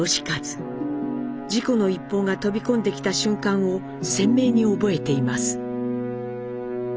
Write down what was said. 事故の一報が飛び込んできた瞬間を鮮明に覚えています。